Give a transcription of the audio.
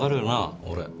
俺。